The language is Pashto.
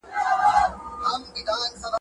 ماشوم ته د لاس مینځلو طریقه ور وښایئ.